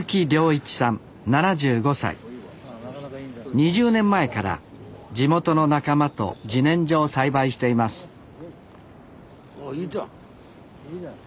２０年前から地元の仲間とじねんじょを栽培していますおういいじゃん。